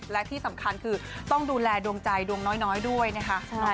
และที่สำคัญคือต้องดูแลดวงใจดวงน้อยด้วยนะคะ